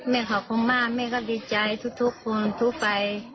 แม่ขอขอบมากแม่ก็ดีใจทุกคนทุกไป